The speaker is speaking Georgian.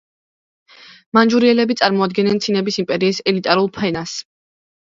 მანჯურიელები წარმოადგენდნენ ცინების იმპერიის ელიტარულ ფენას.